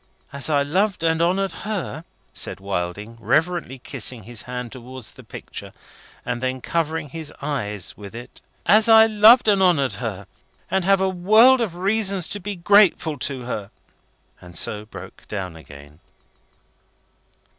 As I loved and honoured her," said Wilding, reverently kissing his hand towards the picture, and then covering his eyes with it. "As I loved and honoured her, and have a world of reasons to be grateful to her!" And so broke down again.